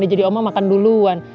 jadi oma makan duluan